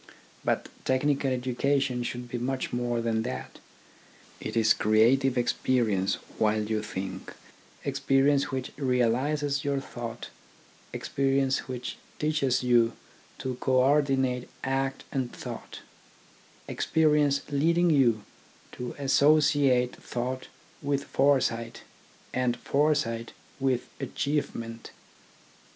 But technical educa tion should be much more than that : it is crea tive experience while you think, experience which realises your thought, experience which teaches you to co ordinate act and thought, experience leading you to associate thought with foresight and foresight with achievement.